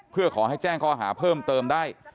เพื่อขอให้แจ้งข้อหาเพิ่มเติมได้